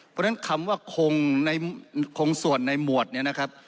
เพราะฉะนั้นคำว่าคงในคงส่วนในหมวดเนี่ยนะครับ